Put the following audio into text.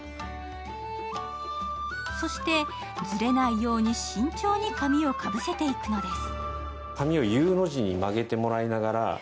そしてずれないように慎重に紙をかぶせていくのです。